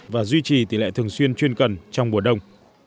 và duy trì tỷ lệ thường xuyên chuyên cần trong mùa đông